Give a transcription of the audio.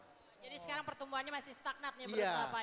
jadi sekarang pertumbuhannya masih stagnant nih menurut bapak ya